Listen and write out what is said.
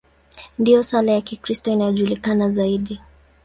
Ndiyo sala ya Kikristo inayojulikana zaidi.